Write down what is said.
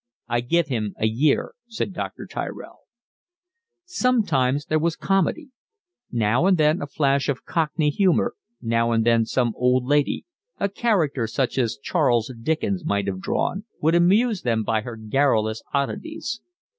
"I give him a year," said Dr. Tyrell. Sometimes there was comedy. Now and then came a flash of cockney humour, now and then some old lady, a character such as Charles Dickens might have drawn, would amuse them by her garrulous oddities.